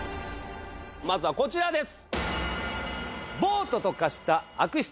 まずはこちらです！